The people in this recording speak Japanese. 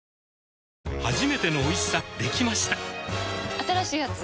新しいやつ？